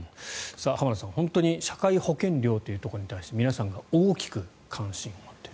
浜田さん、本当に社会保険料というところに対して皆さんが大きく関心を持ってる。